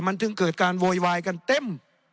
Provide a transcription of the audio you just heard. มันจึงเกิดการโวยวายกันเต็ม